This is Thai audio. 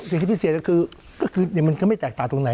พิเศษก็คือมันก็ไม่แตกต่างตรงไหน